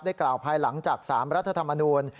กล่าวภายหลังจาก๓รัฐธรรมนูล